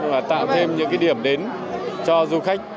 và tạo thêm những điểm đến cho du khách